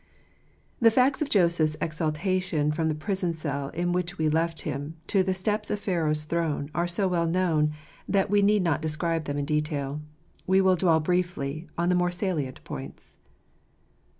HE facts of Joseph's exaltation from the prison cell in which we left him, to the steps of Pharaoh's throne, are so well known that we need not describe them in detail. We will dwell briefly on the more salient points.